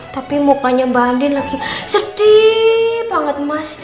tapi mukanya mbak andin lagi sedih banget mas